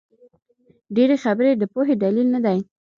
ډېري خبري د پوهي دلیل نه دئ.